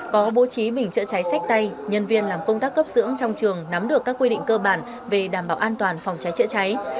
có bố trí bình chữa cháy sách tay nhân viên làm công tác cấp dưỡng trong trường nắm được các quy định cơ bản về đảm bảo an toàn phòng cháy chữa cháy